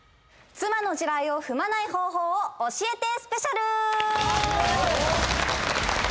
妻の地雷を踏まない方法を教えてＳＰ！